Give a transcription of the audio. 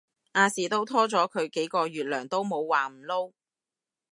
亞視都拖咗佢幾個月糧都冇話唔撈